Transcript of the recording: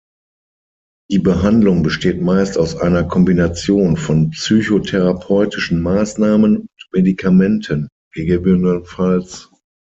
Die Behandlung besteht meist aus einer Kombination von psychotherapeutischen Maßnahmen und Medikamenten, ggf.